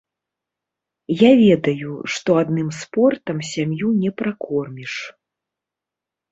Я ведаю, што адным спортам сям'ю не пракорміш.